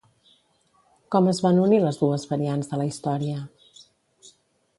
Com es van unir les dues variants de la història?